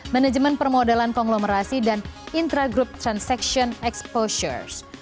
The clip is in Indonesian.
manajemen permodalan konglomerasi dan intra group transaction exposures